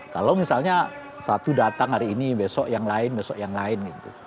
kalau misalnya satu datang hari ini besok yang lain besok yang lain gitu